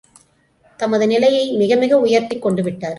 தமது நிலையை மிகமிக உயர்த்திக் கொண்டு விட்டார்!